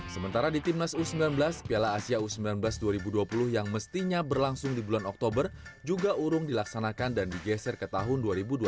sementara di timnas u sembilan belas piala asia u sembilan belas dua ribu dua puluh yang mestinya berlangsung di bulan oktober juga urung dilaksanakan dan digeser ke tahun dua ribu dua puluh